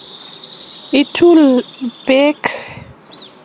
itul beek